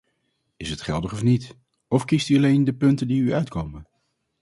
Is het geldig of niet, of kiest u alleen de punten die u uitkomen?